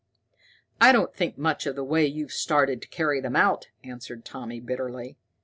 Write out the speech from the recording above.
"I don't think much of the way you've started to carry them out," answered Tommy bitterly.